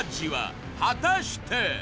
果たして！？